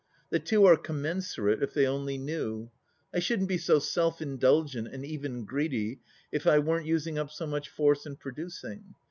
The two are commensurate if they only knew. I shouldn't be so self indulgent and even greedy if I weren't using up so much force in producing.